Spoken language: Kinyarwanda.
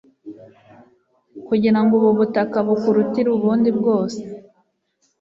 kugira ngo ubu butaka bukurutira ubundi bwose